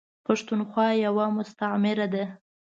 پښتونخوا یوه مستعمیره ده .